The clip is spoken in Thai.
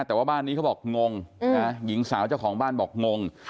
แต่ว่าบ้านนี้เขาบอกงงหญิงสาวเจ้าของบ้านบอกงง